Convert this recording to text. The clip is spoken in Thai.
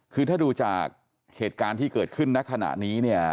คือถ้าดูจากเหตุการณ์ที่เกิดขึ้นณขณะนี้เนี่ย